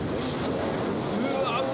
うわ。